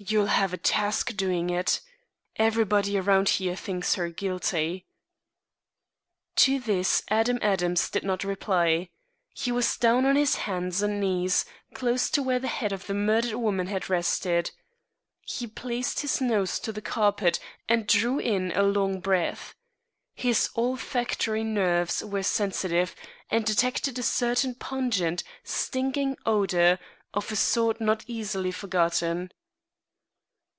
"You'll have a task doing it. Everybody around here thinks her guilty." To this Adam Adams did not reply. He was down on his hands and knees, close to where the head of the murdered woman had rested. He placed his nose to the carpet and drew in a long breath. His olfactory nerves were sensitive, and detected a certain pungent, stinging odor, of a sort not easily forgotten.